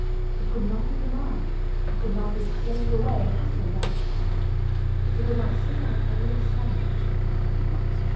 It could not be denied; it could not be explained away, hustled out of sight. He could not sit on it and look solemn.